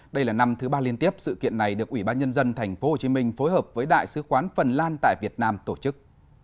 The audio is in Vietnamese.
đây là năm thứ ba liên tiếp sự kiện này được ủy ban nhân dân thành phố hồ chí minh phối hợp với đại sứ quán phần lan tại việt nam tổ chức